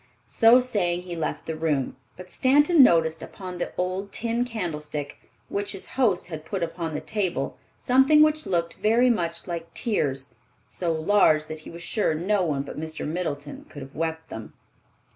So saying, he left the room; but Stanton noticed upon the old tin candlestick which his host had put upon the table something which looked very much like tears, so large that he was sure no one but Mr. Middleton could have wept them.